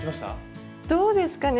どうですかね